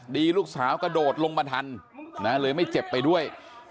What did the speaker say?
ดีลูกสาวกระโดดลงมาทันเลยไม่เจ็บไปด้วย